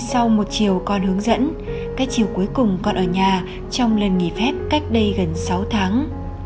sau một chiều con hướng dẫn cách chiều cuối cùng con ở nhà trong lần nghỉ phép cách đây gần sáu tháng